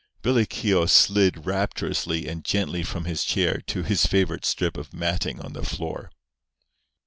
Billy Keogh slid rapturously and gently from his chair to his favourite strip of matting on the floor.